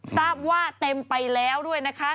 ทราบว่าเต็มไปแล้วด้วยนะคะ